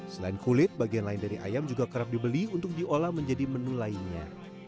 selain kulit bagian lain dari ayam juga kerap dibeli untuk diolah menjadi menu lainnya